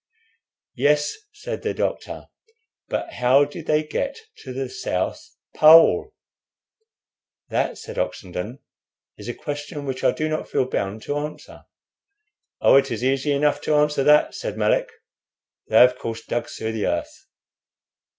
"Yes," said the doctor, "but how did they get to the South Pole?" "That," said Oxenden, "is a question which I do not feel bound to answer." "Oh, it is easy enough to answer that," said Melick. "They, of course, dug through the earth."